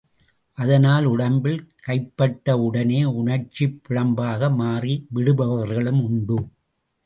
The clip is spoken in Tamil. அதனால், உடம்பில் கைபட்ட உடனே உணர்ச்சிப் பிழம்பாக மாறி விடுபவர்களும் உண்டு.